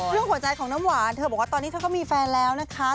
หัวใจของน้ำหวานเธอบอกว่าตอนนี้เธอก็มีแฟนแล้วนะคะ